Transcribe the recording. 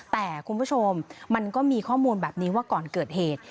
แต่คุณผู้ชมมันก็มีข้อมูลแบบนี้ว่าก่อนเกิดเหตุ